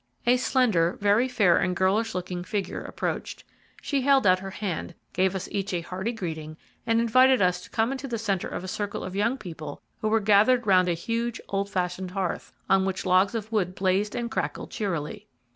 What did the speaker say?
A slender, very fair and girlish looking figure approached. She held out her hand, gave us each a hearty greeting, and invited us to come into the centre of a circle of young people who were gathered round a huge, old fashioned hearth, on which logs of wood blazed and crackled cheerily.